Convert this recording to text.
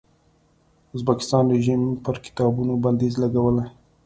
ازبکستان رژیم پر کتابونو بندیز لګولی.